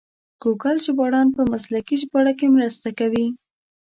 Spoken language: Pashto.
ګوګل ژباړن په مسلکي ژباړه کې مرسته کوي.